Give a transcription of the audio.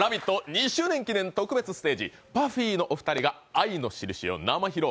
２周年記念、ＰＵＦＦＹのお二人が「愛のしるし」を生披露。